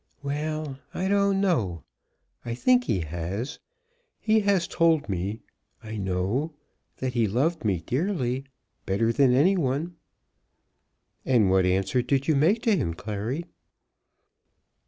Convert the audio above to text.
"Well; I don't know. I think he has. He has told me, I know, that he loved me dearly, better than any one." "And what answer did you make to him, Clary?"